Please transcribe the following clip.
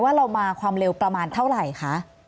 เรามาความเร็วประมาณเท่าไหร่คะ